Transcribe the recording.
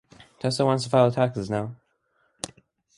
Tessa wants to file taxes now.